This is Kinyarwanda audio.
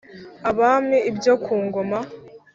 Abami Ibyo Ku Ngoma